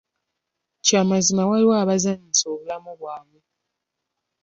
Kya mazima waliwo abazannyisa obulamu bwabwe.